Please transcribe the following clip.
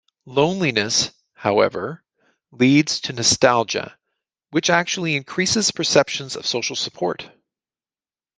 Loneliness, however, leads to nostalgia, which actually increases perceptions of social support.